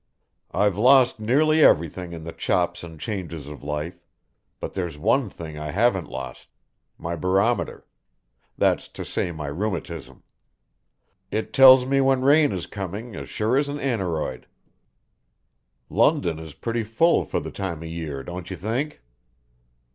I've lost nearly everything in the chops and changes of life, but there's one thing I haven't lost my barometer that's to say my rheumatism. It tells me when rain is coming as sure as an aneroid. London is pretty full for the time of year, don't you think?"